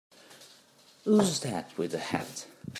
Who's that with the hat?